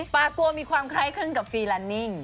ปากกลัวมีความคล้ายขึ้นกับฟรีลันนิ่ง